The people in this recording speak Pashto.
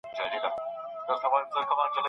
زه کولای شم دا کار وکړم.